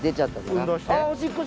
運動して？